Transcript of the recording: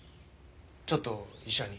ちょっと医者に。